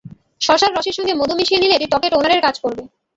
শসার রসের সঙ্গে মধু মিশিয়ে নিলে এটি ত্বকে টোনারের কাজ করবে।